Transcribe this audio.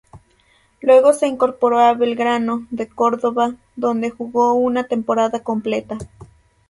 Luego se incorporó a Belgrano de Córdoba donde jugó una temporada completa.